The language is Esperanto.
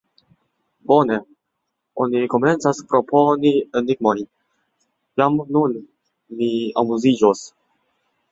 Bone, oni komencas proponi enigmojn: jam nun ni amuziĝos.